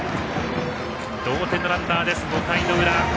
同点のランナーです、５回の裏。